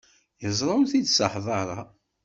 Yeẓra ur t-id-ṣaḥeḍ ara.